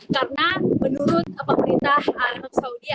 karena menurut pemerintah arab saudi